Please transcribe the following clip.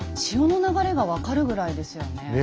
潮の流れが分かるぐらいですよね。